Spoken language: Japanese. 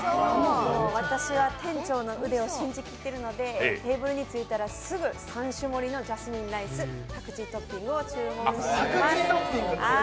私は店長の腕を信じ切ってるので、テーブルに着いたら、すぐ３種盛りのジャスミンライスパクチートッピングを注文します。